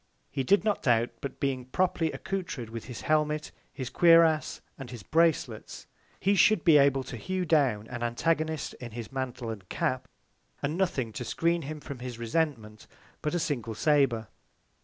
He did not doubt, but being properly accoutred with his Helmet, his Cuirass, and his Bracelets, he should be able to hue down an Antagonist, in his Mantle and Cap, and nothing to skreen him from his Resentment, but a single Sabre.